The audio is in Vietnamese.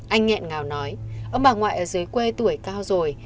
anh nghẹn ngào nói ông bà ngoại ở dưới quê tuổi cao rồi